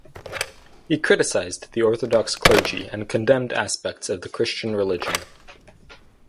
He criticized the orthodox clergy and condemned aspects of the Christian religion.